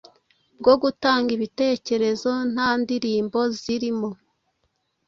bwo gutanga ibitekerezo ntandirimbo zirimo